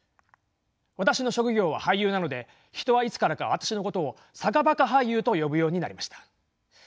私の職業は俳優なので人はいつからか私のことを坂バカ俳優と呼ぶようになりました。